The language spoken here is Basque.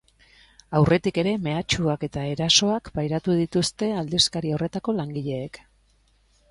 Aurretik ere mehatxuak eta erasoak pairatu dituzte aldizkari horretako langileek.